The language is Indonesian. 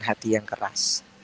hati yang keras